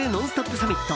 サミット。